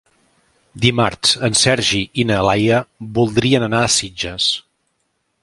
Dimarts en Sergi i na Laia voldrien anar a Sitges.